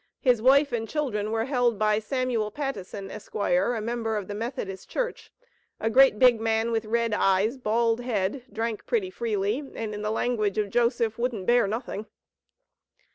His wife and children were held by Samuel Pattison, Esq., a member of the Methodist Church, "a great big man," "with red eyes, bald head, drank pretty freely," and in the language of Joseph, "wouldn't bear nothing."